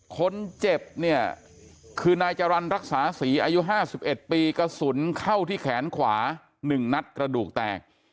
คนเจ็บเนี่ยคือนายจรรย์รักษาศรีอายุ๕๑ปีกระสุนเข้าที่แขนขวา๑นัดกระดูกแตก